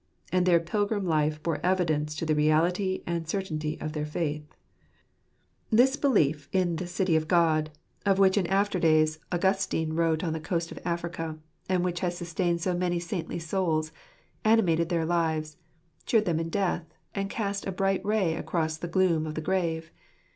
And their pilgrim life bore evidence to the reality and certainty of their faith. This belief in " the city of God," of which in after days ■* (8/ljese nil hifib tit JFattfr." i4S Augustine wrote on the coast of Africa, and which has sustained so many saintly souls, animated their lives, cheered them in death, and cast a bright ray across the gloom of the grave.